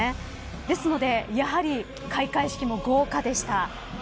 ですのでやはり開会式も豪華でした。